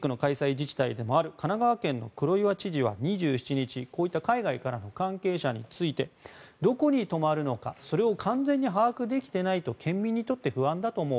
自治体でもある神奈川県の黒岩知事は２７日、こういった海外からの関係者についてどこに泊まるのかそれを完全に把握できていないと県民にとって不安だと思う。